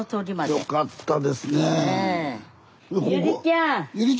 よかったですね。